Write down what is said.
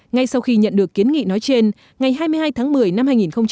ngay sau khi nhận được kiến nghị nói trên ngày hai mươi hai tháng một mươi năm hai nghìn một mươi chín